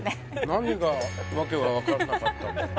何が訳が分からなかったんだろう